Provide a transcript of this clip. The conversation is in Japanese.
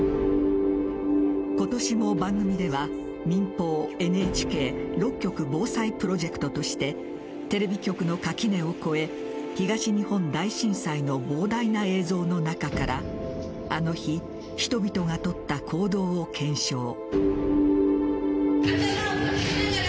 今年も番組では民放ＮＨＫ６局防災プロジェクトとしてテレビ局の垣根を越え東日本大震災の膨大な映像の中からあの日、人々がとった行動を検証。